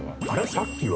さっきは？